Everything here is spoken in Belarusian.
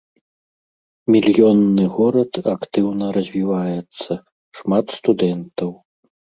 Мільённы горад, актыўна развіваецца, шмат студэнтаў.